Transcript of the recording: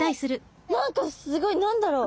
何かすごい！何だろう。